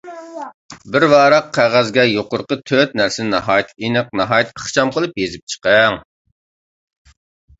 بىر ۋاراق قەغەزگە يۇقىرىقى تۆت نەرسىنى ناھايىتى ئېنىق، ناھايىتى ئىخچام قىلىپ يېزىپ چىقىڭ.